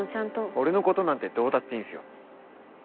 俺のことなんてどうだっていいんすよ。